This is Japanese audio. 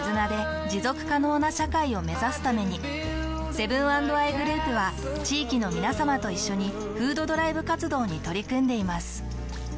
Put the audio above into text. セブン＆アイグループは地域のみなさまと一緒に「フードドライブ活動」に取り組んでいます。